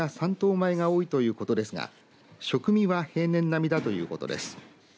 米が多いということですが食味は平年並みだということです。